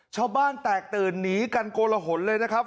ชาวบ้านแตกตื่นหนีกันโกลหนเลยนะครับ